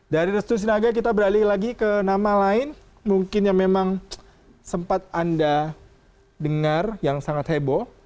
dari restu sinaga kita beralih lagi ke nama lain mungkin yang memang sempat anda dengar yang sangat heboh